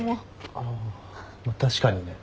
ああ確かにね。